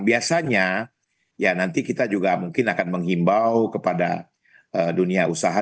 biasanya ya nanti kita juga mungkin akan menghimbau kepada dunia usaha